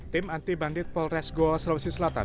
tim anti bandit polres goa sulawesi selatan